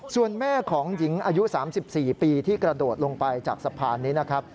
ส่วนแม่ของหญิงอายุ๓๔ปีที่กระโดดลงไปจากสะพานนี้นะครับ